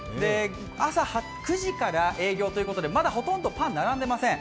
朝９時から営業ということで、まだほとんどパン並んでいません。